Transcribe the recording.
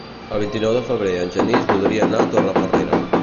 El vint-i-nou de febrer en Genís voldria anar a Torrefarrera.